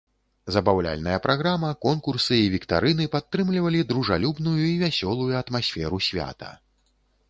Забаўляльная праграма, конкурсы і віктарыны падтрымлівалі дружалюбную і вясёлую атмасферу свята.